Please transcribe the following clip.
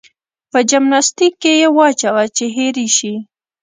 په جمناستيک کې يې واچوه چې هېر يې شي.